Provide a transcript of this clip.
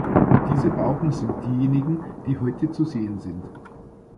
Diese Bauten sind diejenigen, die heute zu sehen sind.